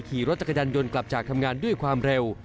ขี่รถจักรยานยนต์กลับจากทำงานด้วยความเร็ว